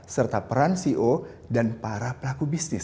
serta peran ceo dan para pelaku bisnis